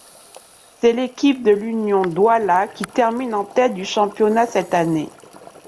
C'est l'équipe de l'Union Douala qui termine en tête du championnat cette année.